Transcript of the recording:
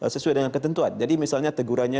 sesuai dengan ketentuan jadi misalnya tegurannya